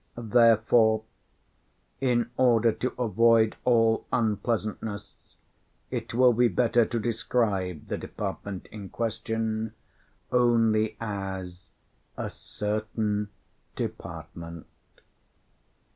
Therefore, in order to avoid all unpleasantness, it will be better to describe the department in question only as a certain department.